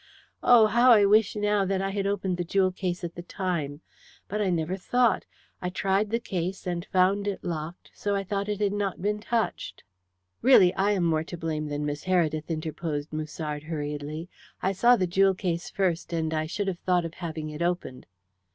Oh, how I wish now that I had opened the jewel case at the time. But I never thought. I tried the case and found it locked, so I thought it had not been touched." "Really, I am more to blame than Miss Heredith," interposed Musard hurriedly. "I saw the jewel case first, and I should have thought of having it opened."